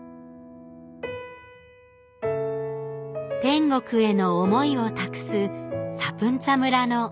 天国への思いを託すサプンツァ村の青。